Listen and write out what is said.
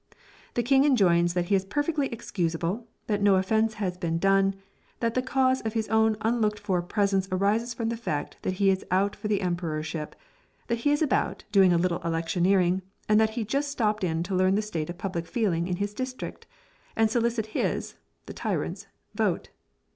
The king rejoins that he is perfectly excuseable; that no offence has been done that the cause of his own unlooked for presence arises from the fact that he is out for the emperorship that he is about doing a little electioneering, and that he just stopped in to learn the state of public feeling in his district, and solicit his (the tyrant's) vote.